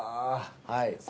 はい。